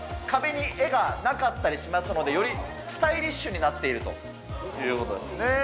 壁に絵がなかったりしますので、よりスタイリッシュになっているということなんですね。